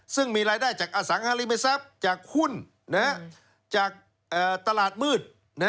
ซึ่งมีรายได้จากอสังหาริมทรัพย์จากหุ้นจากตลาดมืด